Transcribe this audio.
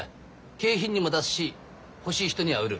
景品にも出すし欲しい人には売る。